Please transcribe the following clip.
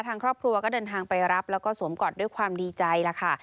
ทางครอบครัวก็เดินทางไปรับแล้วก็สวมกอดด้วยความดีใจล่ะค่ะ